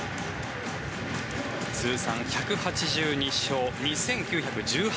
通算１８２勝２９１８